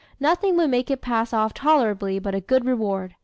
Nothing would make it pass off tolerably but a good reward.